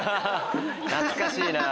懐かしいな！